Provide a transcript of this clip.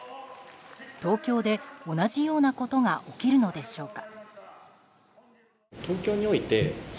東京で同じようなことが起きるのでしょうか。